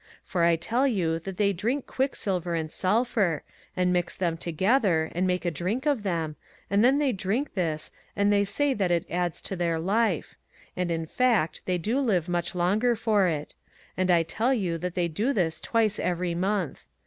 For I tell you that they take quicksilver and sulphur, and mix them together, and make a drink of them, and then they drink this, and they say that it adds to their life ; and in fact they do live much longer for it ; and I tell you that they do this twice every month.